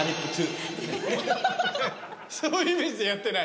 そういうイメージでやってない？